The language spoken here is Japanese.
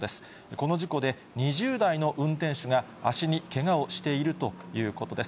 この事故で、２０代の運転手が足にけがをしているということです。